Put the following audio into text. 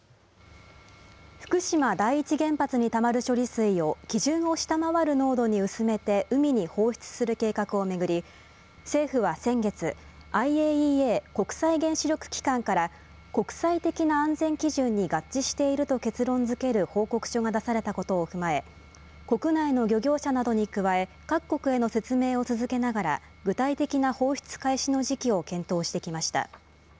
福島第一原発にたまる処理水を基準を下回る濃度に薄めて海に放出する計画を巡り、政府は先月、ＩＡＥＡ・国際原子力機関から、国際的な安全基準に合致していると結論づける報告書が出されたことを踏まえ、国内の漁業者などに加え、各国への説明を続けながら、具体的な放出開始の時期を検討してきました。